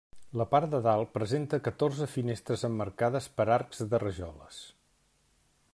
La part de dalt presenta catorze finestres emmarcades per arcs de rajoles.